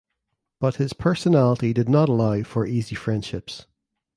But his personality did not allow for easy friendships.